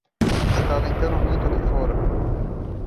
Está ventando muito aqui fora.